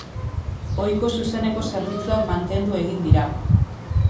Ohiko zuzeneko zerbitzuak mantendu egin dira.